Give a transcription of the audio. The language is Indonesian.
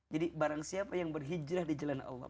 barang siapa yang berhijrah di jalan allah